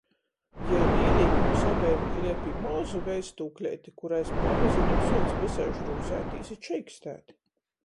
Jei īlīk mums obejom kliepī mozu veistūkleiti, kurais pamozeņam suoc vysaiž rūzeitīs i čeikstēt.